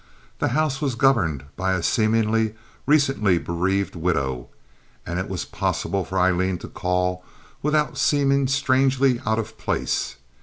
The house was governed by a seemingly recently bereaved widow, and it was possible for Aileen to call without seeming strangely out of place.